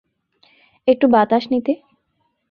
একটু বাতাস নিতে।